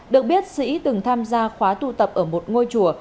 được biết sĩ từng tham gia khóa tu tập ở một ngôi chùa